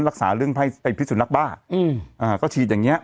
รักษาเรื่องไอ้พิสุนักบ้าอืมอ่าก็ฉีดอย่างเงี้